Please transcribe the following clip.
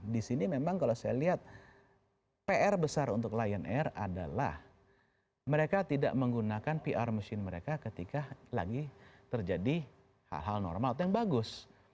di sini memang kalau saya lihat pr besar untuk lion air adalah mereka tidak menggunakan pr machine mereka ketika lagi terjadi hal hal normal atau yang bagus